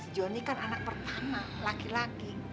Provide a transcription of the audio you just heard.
si jonny kan anak pertama laki laki